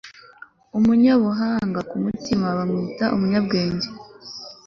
umunyabuhanga ku mutima, bamwita umunyabwenge